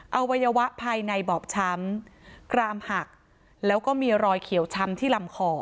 อวัยวะภายในบอบช้ำกรามหักแล้วก็มีรอยเขียวช้ำที่ลำคอ